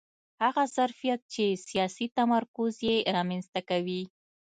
هغه ظرفیت چې سیاسي تمرکز یې رامنځته کوي